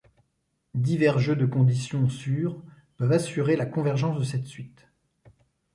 Divers jeux de conditions sur peuvent assurer la convergence de cette suite.